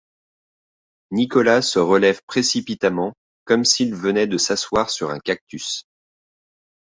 Nicolas se relève précipitamment, comme s’il venait de s’asseoir sur un cactus.